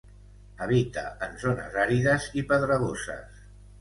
Habita en zones àrides i pedregoses.